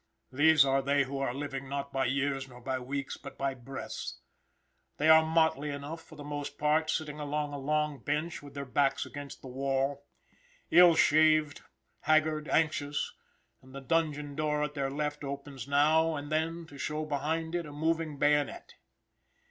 These are they who are living not by years nor by weeks, but by breaths. They are motley enough, for the most part, sitting upon a long bench with their backs against the wall, ill shaved, haggard, anxious, and the dungeon door at their left opens now and then to show behind it a moving bayonet.